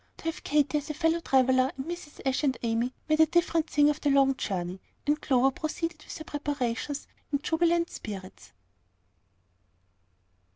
To have Katy as a fellow traveller, and Mrs. Ashe and Amy, made a different thing of the long journey, and Clover proceeded with her preparations in jubilant spirits.